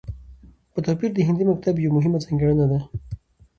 په توپير د هندي مکتب يوه مهمه ځانګړنه ده